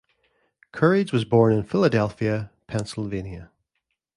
Courage was born in Philadelphia, Pennsylvania.